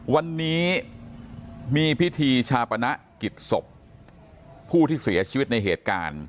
วันนี้มีพิธีชาปนกิจศพผู้ที่เสียชีวิตในเหตุการณ์